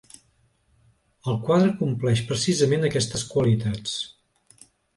El quadre compleix precisament aquestes qualitats.